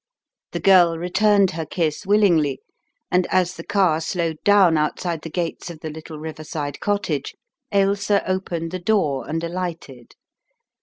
The girl returned her kiss willingly, and as the car slowed down outside the gates of the little river side cottage, Ailsa opened the door and alighted.